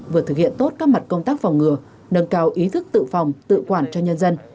vừa thực hiện tốt các mặt công tác phòng ngừa nâng cao ý thức tự phòng tự quản cho nhân dân